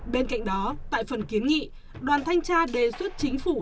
bên cạnh đó tại phần kiến nghị đoàn thanh tra đề xuất chính phủ